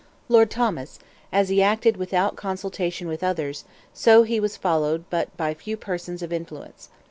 Lord Thomas, as he acted without consultation with others, so he was followed but by few persons of influence.